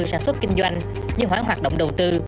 sản xuất kinh doanh như hóa hoạt động đầu tư